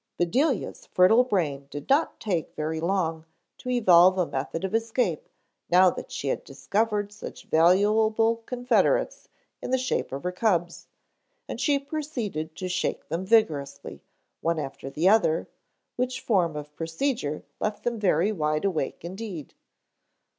Bedelia's fertile brain did not take very long to evolve a method of escape now that she had discovered such valuable confederates in the shape of her cubs; and she proceeded to shake them vigorously, one after the other, which form of procedure left them very wide awake indeed.